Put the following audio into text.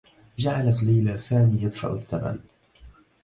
جعلت ليلى سامي يدفع الثّمن.